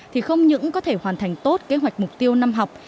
thì không những có thể hoàn thành tốt kế hoạch mục tiêu năm học